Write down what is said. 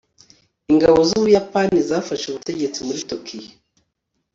ingabo z'ubuyapani zafashe ubutegetsi muri tokiyo